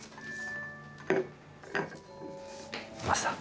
マスター。